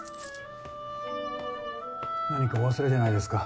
何かお忘れじゃないですか？